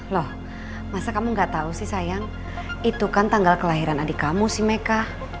loh masa kamu gak tau sih sayang itu kan tanggal kelahiran adik kamu si meka